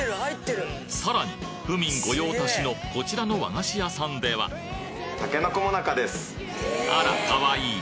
さらに府民御用達のこちらの和菓子屋さんではあらかわいい。